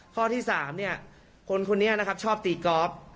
ข้อที่สามเนี่ยคนเนี่ยนะครับชอบตีกอล์ฟ